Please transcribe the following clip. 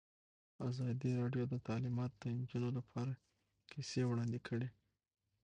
ازادي راډیو د تعلیمات د نجونو لپاره کیسې وړاندې کړي.